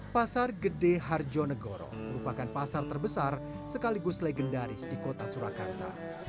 pasar gede harjonegoro merupakan pasar terbesar sekaligus legendaris di kota surakarta